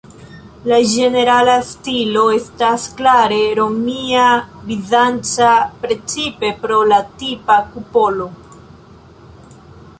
La ĝenerala stilo estas klare romia-bizanca, precipe pro la tipa kupolo.